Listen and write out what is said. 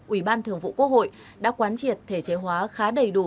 ủy ban thường vụ quốc hội đã quán triệt thể chế hóa khá đầy đủ